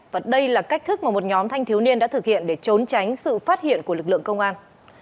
và đây là cách thức mà một nhóm thanh thiếu niên đã thực hiện để trốn tránh sự phát hiện của lực lượng công an